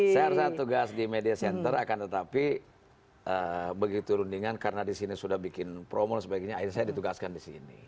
saya harusnya tugas di media center akan tetapi begitu rundingan karena di sini sudah bikin promo sebaiknya akhirnya saya ditugaskan di sini